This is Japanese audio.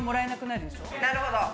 なるほど。